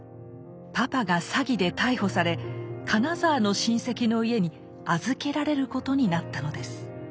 パパが詐欺で逮捕され金沢の親戚の家に預けられることになったのです。